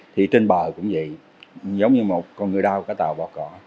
thì trên bờ cũng vậy giống như một con người đau cả tàu bỏ cỏ